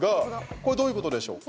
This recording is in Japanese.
これ、どういうことでしょうか？